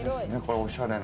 おしゃれな。